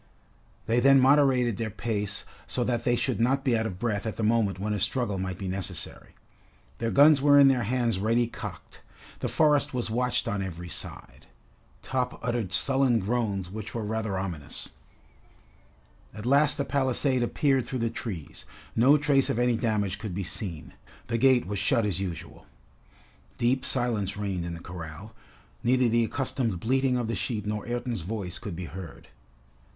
They then moderated their pace so that they should not be out of breath at the moment when a struggle might be necessary. Their guns were in their hands ready cocked. The forest was watched on every side. Top uttered sullen groans which were rather ominous. At last the palisade appeared through the trees. No trace of any damage could be seen. The gate was shut as usual. Deep silence reigned in the corral. Neither the accustomed bleating of the sheep nor Ayrton's voice could be heard.